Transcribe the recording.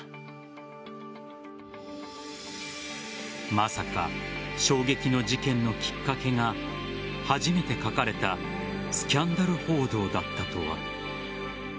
まさか衝撃の事件のきっかけが初めて書かれたスキャンダル報道だったとは。